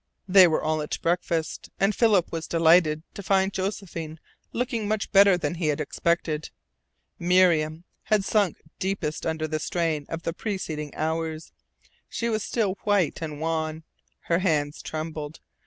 They were all at breakfast, and Philip was delighted to find Josephine looking much better than he had expected. Miriam had sunk deepest under the strain of the preceding hours. She was still white and wan. Her hands trembled.